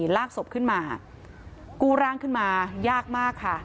ลากศพขึ้นมากู้ร่างขึ้นมายากมากค่ะ